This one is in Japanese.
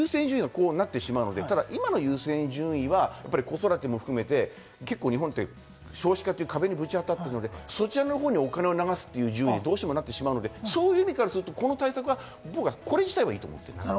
こうなってしまうので、今の優先順位は子育ても含めて日本って少子化という壁にぶち当たっているのでそちらの方にお金を流すというふうになっているので、そういう意味からすると僕はこれ自体はいいと思うんです。